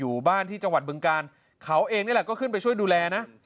อยู่บ้านที่จังหวัดบึงกาลเขาเองนี่แหละก็ขึ้นไปช่วยดูแลนะ